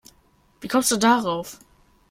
Wie kommst du darauf?